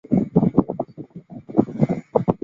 睫毛粗叶木为茜草科粗叶木属下的一个变种。